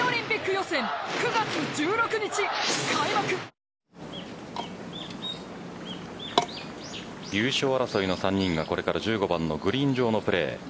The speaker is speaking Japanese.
サントリー「ＶＡＲＯＮ」優勝争いの３人はこれから１５番のグリーン上のプレー。